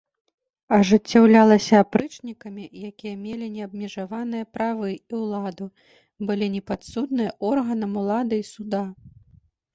Ажыццяўлялася апрычнікамі, якія мелі неабмежаваныя правы і ўладу, былі непадсудныя органам улады і суда.